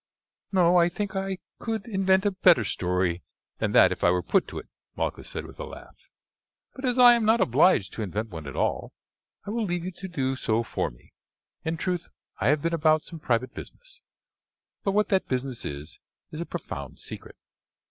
"No; I think I could invent a better story than that if I were put to it," Malchus said with a laugh; "but as I am not obliged to invent one at all, I will leave you to do so for me. In truth I have been about some private business, but what that business is is a profound secret."